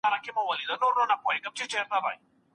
مور دي نه سي پر هغو زمریو بوره